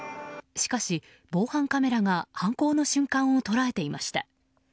しかし、防犯カメラが犯行の瞬間を捉えていました。